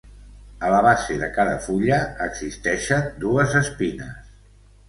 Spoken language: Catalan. A la base de cada fulla existeixen dues espines.